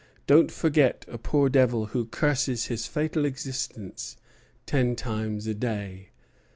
Don't forget a poor devil who curses his fatal existence ten times a day."